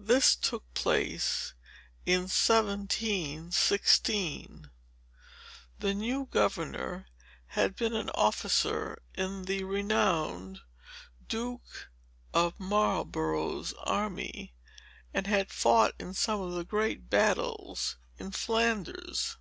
This took place in 1716. The new governor had been an officer in the renowned Duke of Marlborough's army, and had fought in some of the great battles in Flanders."